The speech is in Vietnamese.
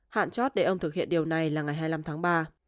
hạn chót để ông thực hiện điều này là ngày hai mươi năm tháng ba